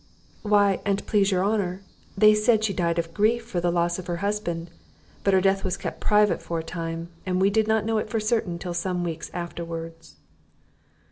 "Why, a'nt please your honour, they said she died of grief for the loss of her husband; but her death was kept private for a time, and we did not know it for certain till some weeks afterwards."